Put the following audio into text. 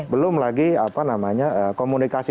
belum lagi apa namanya komunikasi